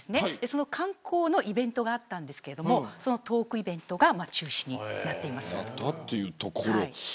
その観光のイベントがあったんですけどそのトークイベントが中止になっています。